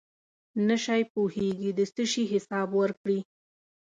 نشی پوهېږي د څه شي حساب ورکړي.